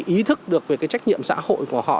ý thức được về cái trách nhiệm xã hội của họ